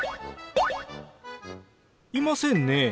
いませんね。